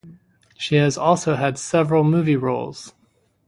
She has also had several movie roles.